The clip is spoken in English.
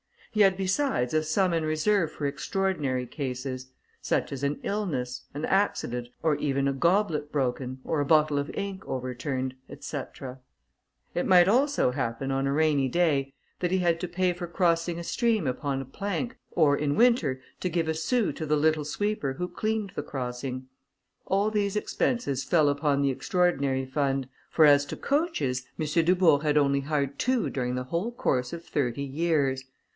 He had, besides, a sum in reserve for extraordinary cases; such as an illness, an accident, or even a goblet broken, or a bottle of ink overturned, &c. It might also happen, on a rainy day, that he had to pay for crossing a stream upon a plank, or, in winter, to give a sous to the little sweeper who cleaned the crossing; all these expenses fell upon the extraordinary fund, for as to coaches, M. Dubourg had only hired two during the whole course of thirty years.